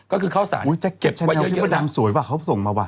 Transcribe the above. โอ๊ยจะเก็บชะแจนียอลเพื่อดำสวยป่ะเขาส่งมาวะ